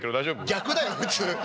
逆だよ普通。